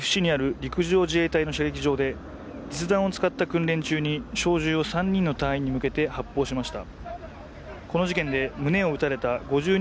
男は昨日岐阜市にある陸上自衛隊の射撃場で実弾を使った訓練中に小銃を３人の隊員に向けて発砲しました。